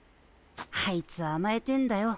あいつあまえてんだよ。